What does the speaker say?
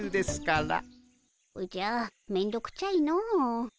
おじゃめんどくちゃいの。